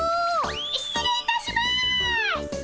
失礼いたします！